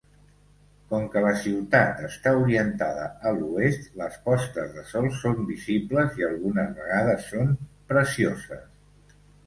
Com que la ciutat està orientada a l'oest, les postes de sol són visibles i algunes vegades són precioses.